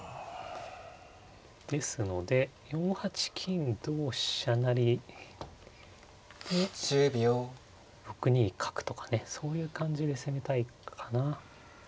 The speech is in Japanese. ですので４八金同飛車成で６二角とかねそういう感じで攻めたいかな。